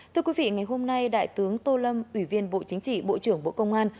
thưa quý vị ngày hôm nay đại tướng tô lâm ủy viên bộ chính trị bộ trưởng bộ công an